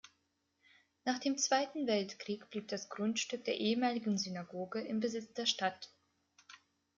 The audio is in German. Nach dem Zweiten Weltkrieg blieb das Grundstück der ehemaligen Synagoge im Besitz der Stadt.